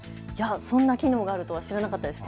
そんな機能があるとは知らなかったです。